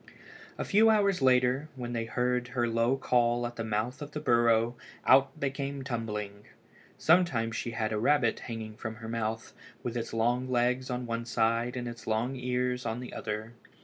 A few hours later, when they heard her low call at the mouth of the burrow, out they came tumbling. Sometimes she had a rabbit hanging in her mouth, with its long legs on one side and its long ears on the other.